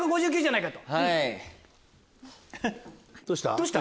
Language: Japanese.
どうした？